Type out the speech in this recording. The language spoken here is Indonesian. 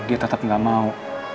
dia tetap nggak mau